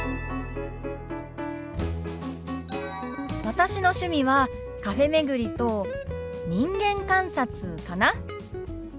私の趣味はカフェ巡りと人間観察かな。